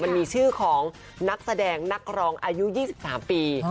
มันมีชื่อของนักแสดงนักร้องอายุ๒๓ปี